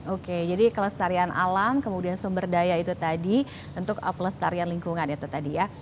oke jadi kelestarian alam kemudian sumber daya itu tadi untuk pelestarian lingkungan itu tadi ya